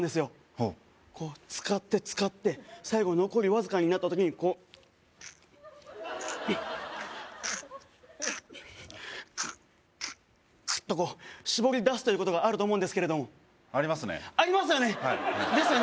ほうこう使って使って最後残りわずかになった時にこうグッグッグッグッグッグッグッとこうしぼり出すということがあると思うんですけれどもありますねありますよねですよね